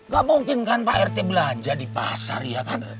gak mungkin kan pak rt belanja di pasar ya kan